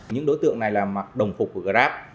những đối tượng này mặc đồng phục của grab